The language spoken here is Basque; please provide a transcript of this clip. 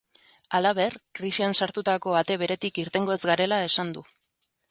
Halaber, krisian sartutako ate beretik irtengo ez garela esan du.